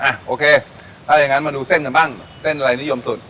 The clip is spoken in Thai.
โอเคถ้าอย่างนั้นมาดูเส้นกันบ้างเส้นอะไรนิยมสุด